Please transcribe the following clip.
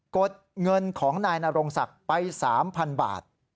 กดเงินของนายนรงศักดิ์ไป๓๐๐๐บาท